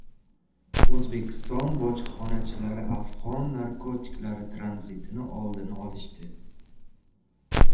O‘zbekiston bojxonachilari afg‘on narkotiklari tranzitini oldini olishdi